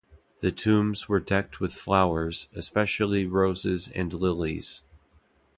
The tombs were decked with flowers, especially roses and lilies.